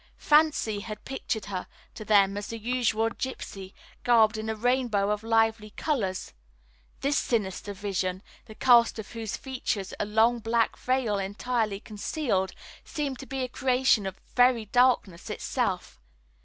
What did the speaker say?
Fancy had pictured her to them as the usual gypsy, garbed in a rainbow of lively colors. This sinister vision, the cast of whose features a long black veil entirely concealed, seemed to be a creation of the very darkness itself.